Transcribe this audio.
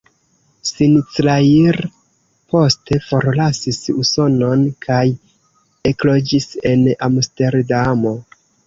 Sinclair poste forlasis Usonon kaj ekloĝis en Amsterdamo.